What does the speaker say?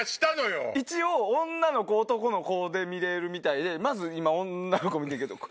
一応女の子男の子で見れるみたいでまず今女の子見てんけど。